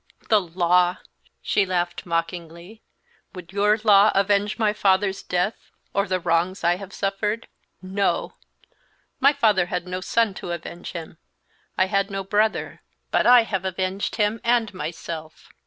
"The law!" she laughed, mockingly; "would your law avenge my father's death, or the wrongs I have suffered? No! My father had no son to avenge him, I had no brother, but I have avenged him and myself.